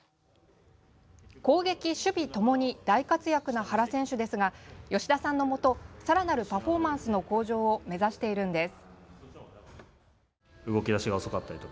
攻撃、守備ともに大活躍な原選手ですが吉田さんのもとさらなるパフォーマンスの向上を目指しているんです。